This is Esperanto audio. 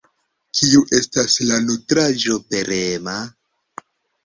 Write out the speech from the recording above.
Kiu estas la nutraĵo pereema?